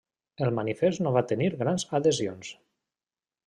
El manifest no va tenir grans adhesions.